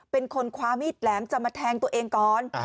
เป็นคนคว้ามีดแหลมจะมาแทงตัวเองก่อน